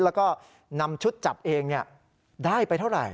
แล้วก็นำชุดจับเองได้ไปเท่าไหร่